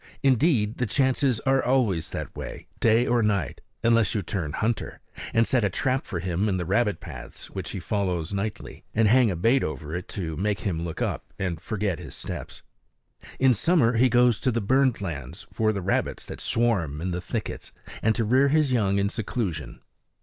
Indeed the chances are always that way, day or night, unless you turn hunter and set a trap for him in the rabbit paths which he follows nightly, and hang a bait over it to make him look up and forget his steps. In summer he goes to the burned lands for the rabbits that swarm in the thickets, and to rear his young in seclusion.